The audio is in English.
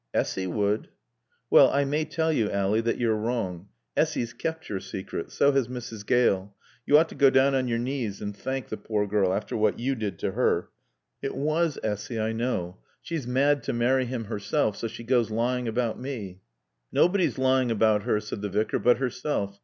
"Essy would." "Well I may tell you, Ally, that you're wrong. Essy's kept your secret. So has Mrs. Gale. You ought to go down on your knees and thank the poor girl after what you did to her." "It was Essy. I know. She's mad to marry him herself, so she goes lying about me." "Nobody's lying about her," said the Vicar, "but herself.